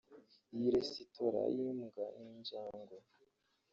Iyi resitora y’imbwa n’injangwe